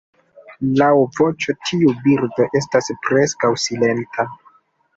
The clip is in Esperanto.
Laŭ voĉo tiu birdo estas preskaŭ silenta.